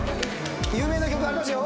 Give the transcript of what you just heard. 有名な曲ありますよ。